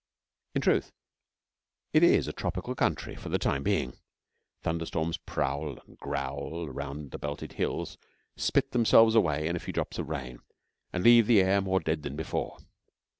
In truth, it is a tropical country for the time being. Thunder storms prowl and growl round the belted hills, spit themselves away in a few drops of rain, and leave the air more dead than before.